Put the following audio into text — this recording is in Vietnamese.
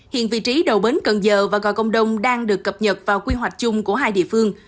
hiện vị trí đầu bến cần giờ và gòi công đông đang được cập nhật vào quy hoạch chung của hai địa phương